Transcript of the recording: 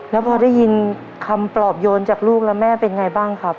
แล้วพอได้ยินคำปลอบโยนจากลูกแล้วแม่เป็นไงบ้างครับ